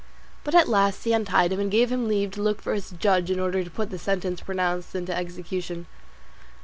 But at last he untied him, and gave him leave to go look for his judge in order to put the sentence pronounced into execution.